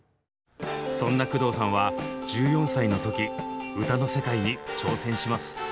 そんな工藤さんは１４歳の時歌の世界に挑戦します。